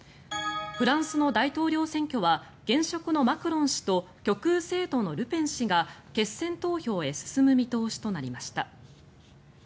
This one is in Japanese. フランスの大統領選挙は現職のマクロン氏と極右政党のルペン氏が決選投票へと進む見通しとなりました。